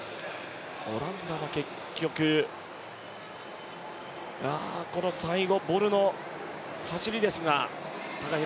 オランダは結局、この最後、ボルの走りですが。